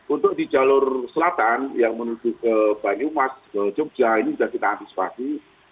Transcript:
untuk di jalur selatan yang menuju ke banyumas ke jogja ini sudah kita antisipasi